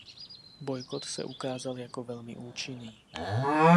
Bojkot se ukázal jako velmi účinný.